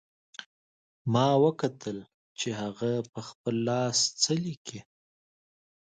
ما وکتل چې هغه په خپل لاس څه لیکي